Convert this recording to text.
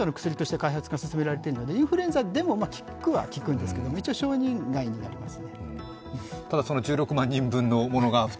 実はこれはもともとインフルエンザの薬として開発が進められているので、インフルエンザでも効くは効くんですけれども、一応承認外になりますね。